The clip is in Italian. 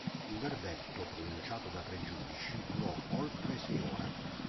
Il verdetto, pronunciato da tre giudici, durò oltre sei ore.